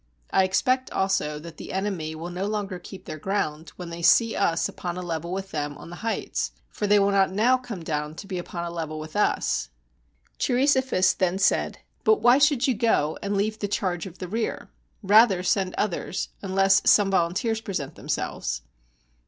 I expect also that the enemy will no longer keep their ground, when they see us upon a level with them on the heights, for they will not now come down to be upon a level with us." Cheiri sophus then said, "But why should you go, and leave the charge of the rear? Rather send others, unless some volunteers present themselves."